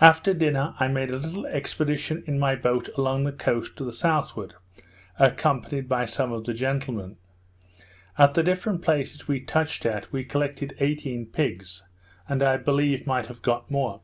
After dinner, I made a little expedition in my boat along the coast to the south ward, accompanied by some of the gentlemen: At the different places we touched at, we collected eighteen pigs; and I believe, might have got more.